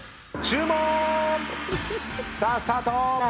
さあスタート！